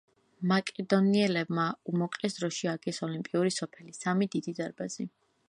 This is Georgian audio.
მაკედონიელებმა უმოკლეს დროში ააგეს ოლიმპიური სოფელი, სამი დიდი დარბაზი.